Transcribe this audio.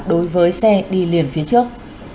đối với xe đi liền phía trước